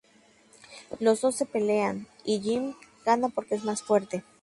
Los dos se pelean y Jim gana porque es más fuerte.